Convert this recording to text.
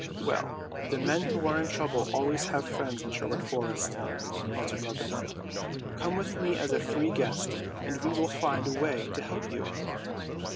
"Well, the men who are in trouble always have friends in Sherwood Forest," answered Robin Hood. "Come with me as a free guest and we will find a way to help you."